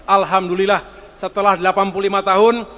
alhamdulillah setelah delapan puluh lima tahun